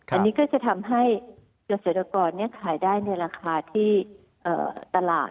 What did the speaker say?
อันนี้ก็จะทำให้เกษตรกรขายได้ในราคาที่ตลาด